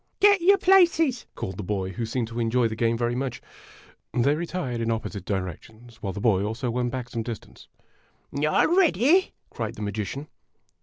" Get your places ! called the boy, who seemed to enjoy the game very much. They retired in opposite directions, while the boy also went back some distance. "All ready?" cried the magician.